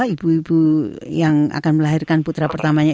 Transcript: ibu ibu yang akan melahirkan putra pertamanya